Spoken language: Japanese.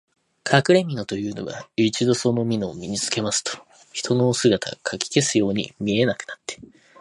かくれみのというのは、一度そのみのを身につけますと、人の姿がかき消すように見えなくなって、